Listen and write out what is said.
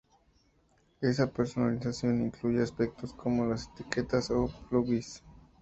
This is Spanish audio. Esa personalización incluye aspectos como las etiquetas o los plugins.